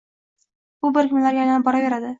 Bu birikmalarga aylanib boraveradi